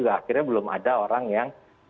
akhirnya belum ada orang yang